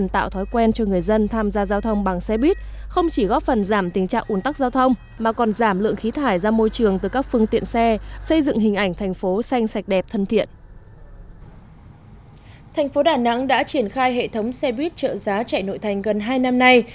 thành phố đà nẵng đã triển khai hệ thống xe buýt trợ giá chạy nội thành gần hai năm nay